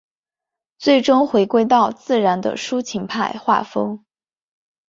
最终回归到自然的抒情派画风。